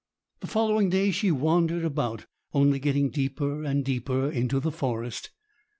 The following day she wandered about, only getting deeper and deeper into the forest.